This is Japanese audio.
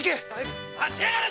・待ちやがれ！